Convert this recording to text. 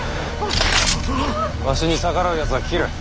わしに逆らうやつは斬る。